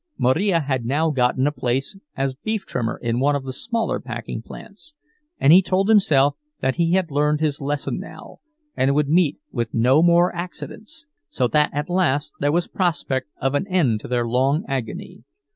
Marija had now gotten a place as beef trimmer in one of the smaller packing plants; and he told himself that he had learned his lesson now, and would meet with no more accidents—so that at last there was prospect of an end to their long agony.